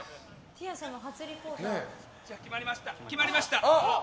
決まりました。